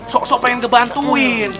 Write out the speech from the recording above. sok sok pengen dibantuin